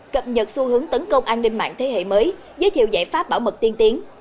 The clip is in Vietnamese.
cập nhật xu hướng tấn công an ninh mạng thế hệ mới giới thiệu giải pháp bảo mật tiên tiến